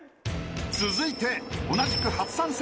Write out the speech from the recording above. ［続いて同じく初参戦